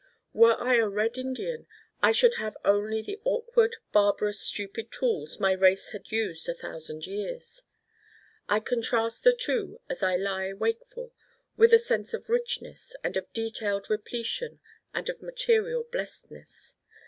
Were I a red Indian I should have only the awkward barbarous stupid tools my race had used a thousand years. I contrast the two as I lie wakeful, with a sense of richness and of detailed repletion and of material blestness.